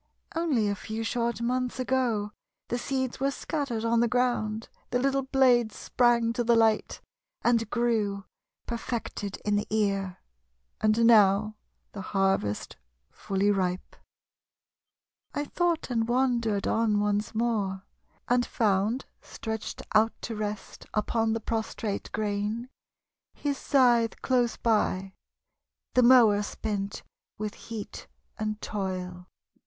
Only a few short months ago The seeds were scattered on the ground; The little blades sprang to the light And grew, perfected in the ear; And now the harvest fully ripe! :M) in harvest time. I tho't and wandered on once more, And found stretched out to rest Upon the prostrate grain, his scythe close by, The mower spent with heat and toil.